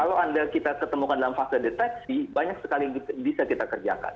kalau anda kita ketemukan dalam fase deteksi banyak sekali yang bisa kita kerjakan